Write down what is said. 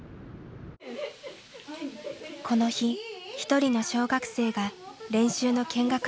この日一人の小学生が練習の見学にやって来ました。